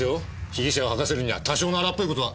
被疑者を吐かせるには多少の荒っぽい事は。